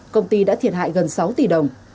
công ty đã thiệt hại gần sáu tỷ đồng